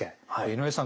井上さん